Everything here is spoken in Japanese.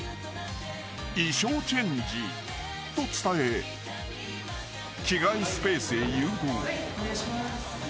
［衣装チェンジと伝え着替えスペースへ誘導］